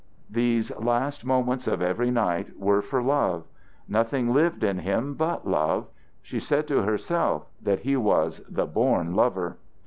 These last moments of every night were for love; nothing lived in him but love. She said to herself that he was the born lover.